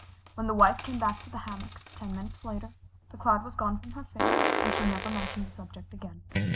When the Wife came back to the hammock, ten minutes later, the cloud was gone from her face, and she never mentioned the subject again.